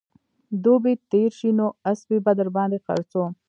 دوبى تېر شي نو اسپې به در باندې خرڅوم